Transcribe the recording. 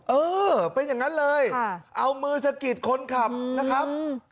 เออเป็นอย่างนั้นเลยเอามือสะกิดคนขับนะครับ